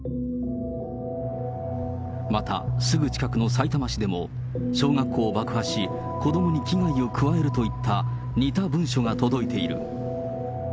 また、すぐ近くのさいたま市でも小学校を爆破し、子どもに危害を加えるといった似た文書が届いている。